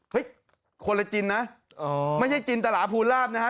คนละจินนะไม่ใช่จินตลาภูลาภนะฮะ